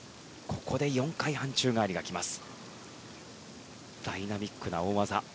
ここで４回半宙返りが来ます。